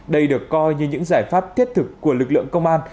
đây được coi như những giải pháp thiết thực của lực lượng công an